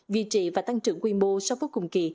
vì trị và tăng trưởng quy mô sau phút cùng kỳ